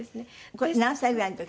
これ何歳ぐらいの時ですか？